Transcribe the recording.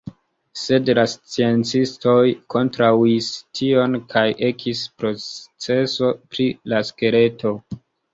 Sed la sciencistoj kontraŭis tion kaj ekis proceso pri la skeleto.